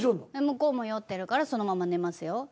向こうも酔ってるからそのまま寝ますよ。